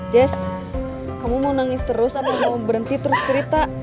des kamu mau nangis terus aku mau berhenti terus cerita